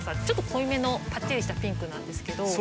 ちょっと濃いめのパッチリしたピンクなんですけど。